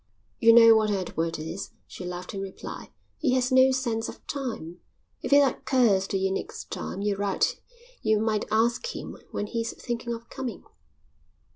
"You know what Edward is," she laughed in reply, "he has no sense of time. If it occurs to you next time you write you might ask him when he's thinking of coming."